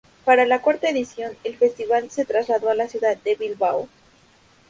Para la cuarta edición, el festival se trasladó a la ciudad de Bilbao.